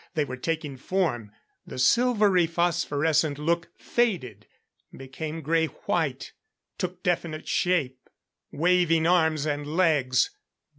They were taking form. The silvery phosphorescent look faded, became grey white. Took definite shape. Waving arms and legs!